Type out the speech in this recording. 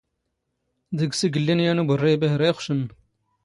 ⴷⴳⵙ ⵉⴳⵍⵍⵉⵏ ⵢⴰⵏ ⵓⴱⵔⵔⴰⵢ ⴱⴰⵀⵔⴰ ⵉⵅⵛⵏⵏ.